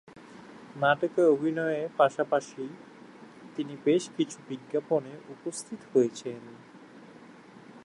নাটকে অভিনয়ের পাশাপাশি তিনি বেশ কিছু বিজ্ঞাপনে উপস্থিত হয়েছেন।